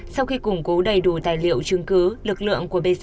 sau khi củng cố đầy đủ tài liệu chứng cứ lực lượng của bc